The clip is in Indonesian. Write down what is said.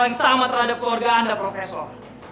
yang sama terhadap keluarga anda profesor